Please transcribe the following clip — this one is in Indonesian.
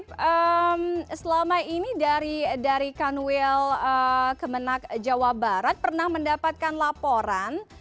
pak selama ini dari kanwil kemenak jawa barat pernah mendapatkan laporan